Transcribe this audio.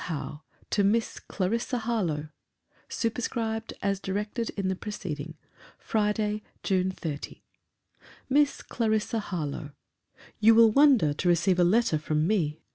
HOWE, TO MISS CLARISSA HARLOWE [SUPERSCRIBED AS DIRECTED IN THE PRECEDING.] FRIDAY, JUNE 30. MISS CLARISSA HARLOWE, You will wonder to receive a letter from me.